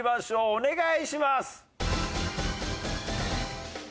お願いします。